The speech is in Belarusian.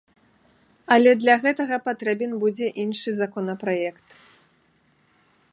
Але для гэтага патрэбен будзе іншы законапраект.